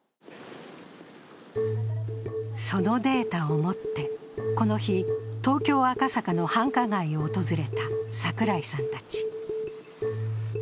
そのデータを持ってこの日、東京・赤坂の繁華街を訪れた櫻井さんたち。